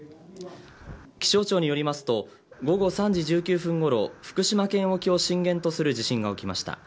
気象庁によりますと午後３時１９分ごろ福島県沖を震源とする地震が起きました。